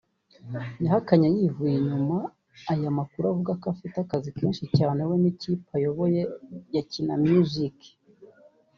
yahakanye yivuye inyuma aya makuru avuga ko afite akazi kenshi cyane we n’ikipe ayoboye ya Kina Music